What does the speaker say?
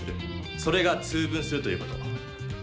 それが「通分」するということ。